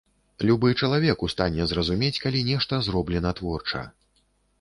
Любы чалавек у стане зразумець, калі нешта зроблена творча.